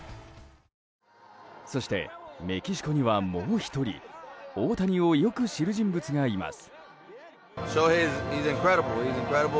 そしてメキシコにはもう１人大谷をよく知る人物がいます。